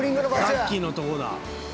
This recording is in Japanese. さっきのところだ。